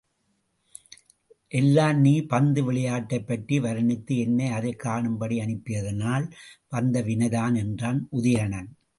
எல்லாம் நீ பந்து விளையாட்டைப் பற்றி வருணித்து என்னை அதைக் காணும்படி அனுப்பியதனால் வந்த வினைதான் என்றான் உதயணன்.